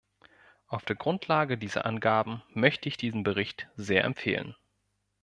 Auf der Grundlage dieser Angaben möchte ich diesen Bericht sehr empfehlen.